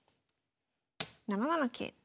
７七桂。